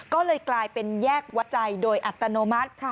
ก็เลยกลายเป็นแยกวัดใจโดยอัตโนมัติ